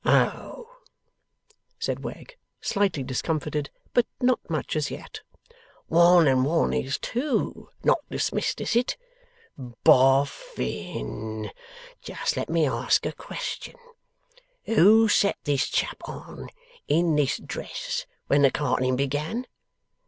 'Oh!' said Wegg, slightly discomfited, but not much as yet: 'one and one is two not dismissed, is it? Bof fin! Just let me ask a question. Who set this chap on, in this dress, when the carting began?